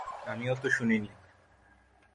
আমিও তো শুনিনি।